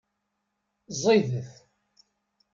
Ẓidet.